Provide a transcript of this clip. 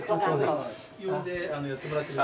呼んでやってもらってる。